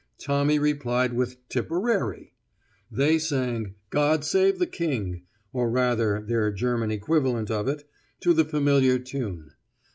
Tommy replied with 'Tipperary.' They sang, 'God save the King,' or rather their German equivalent of it, to the familiar tune.